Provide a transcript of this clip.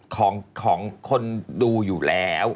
ของคนดูอยู่แล้ว